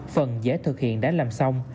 phần giải thực hiện đã làm xong